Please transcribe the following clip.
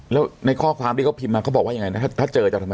แล้วในข้อความที่เขาพิมพ์มาเขาบอกว่ายังไงนะถ้าเจอจะทำไม